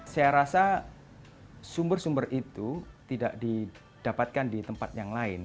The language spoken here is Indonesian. saya rasa sumber sumber itu tidak didapatkan di tempat yang lain